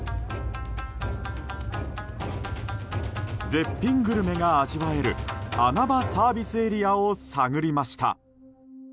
絶品グルメが味わえる穴場サービスエリアを探りました。